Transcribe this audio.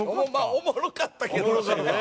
おもろかったけどね。